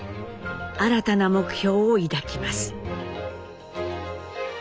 新たな目標を抱きます。